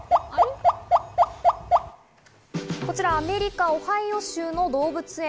アメリカ・オハイオ州の動物園。